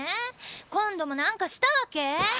今度もなんかしたわけ？